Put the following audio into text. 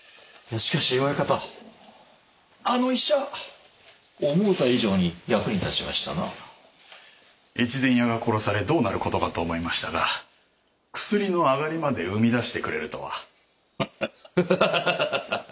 しかしお屋形あの医者思うた以上に役に立ちましたな越前屋が殺されどうなることかと思いましたが薬のあがりまで生み出してくれるとはハハッハハハハハ